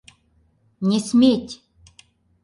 Не сметь!